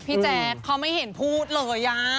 ค่ะพี่แจ๊บเขาไม่เห็นฟูตเลยนะ